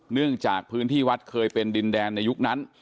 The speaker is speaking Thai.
เนื่องจากพื้นที่วัดเคยเป็นดินแดนในยุคนั้น